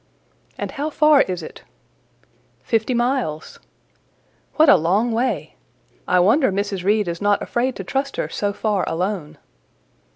"And how far is it?" "Fifty miles." "What a long way! I wonder Mrs. Reed is not afraid to trust her so far alone."